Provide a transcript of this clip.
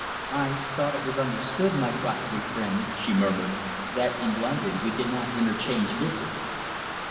"I thought it was understood, my crockery friend," she murmured, "that in London we did not interchange visits."